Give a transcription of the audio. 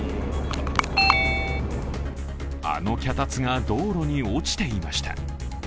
あの脚立が道路に落ちていました。